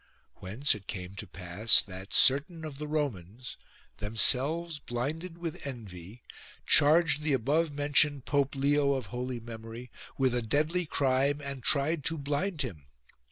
Whence it came to pass that certain of the Romans, themselves blinded with envy, charged the above mentioned Pope Leo of holy memory with a deadly crime and tried to blind him.